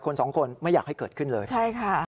๑คน๒คนไม่อยากให้เกิดขึ้นเลย